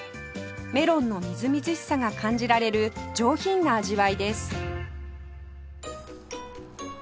メロンのみずみずしさが感じられる上品な味わいです